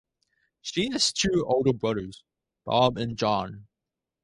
She has two older brothers, Bob and John.